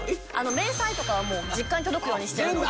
明細とかは実家に届くようにしてるので。